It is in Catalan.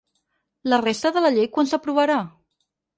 La resta de la llei quan s’aprovarà?